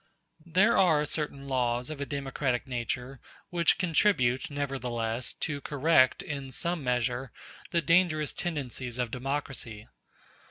There are certain laws of a democratic nature which contribute, nevertheless, to correct, in some measure, the dangerous tendencies of democracy.